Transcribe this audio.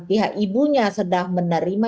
pihak ibunya sedang menerima